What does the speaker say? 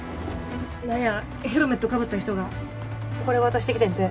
なんやヘルメットかぶった人がこれ渡してきてんて。